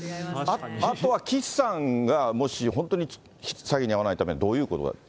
あとは岸さんがもし本当に詐欺に遭わないためには、どういうことが？